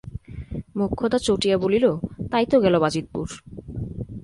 মোক্ষদা চটিয়া বলিল, তাই তো গেল বাজিতপুর!